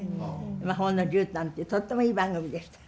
「魔法のじゅうたん」ってとってもいい番組でした。